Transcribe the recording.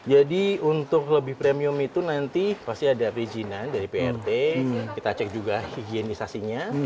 jadi untuk lebih premium itu nanti pasti ada perizinan dari prt kita cek juga higienisasinya